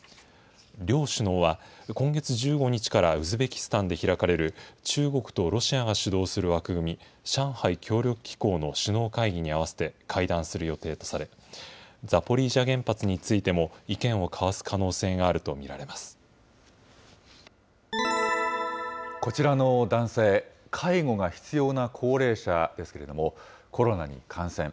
両首脳は、今月１５日からウズベキスタンで開かれる、中国とロシアが主導する枠組み、上海協力機構の首脳会議に合わせて、会談する予定とされ、ザポリージャ原発についても意見を交わす可能性があると見られまこちらの男性、介護が必要な高齢者ですけれども、コロナに感染。